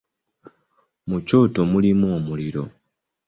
Mu kyoto mulimu omuliro.